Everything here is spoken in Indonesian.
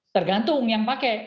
tergantung yang pakai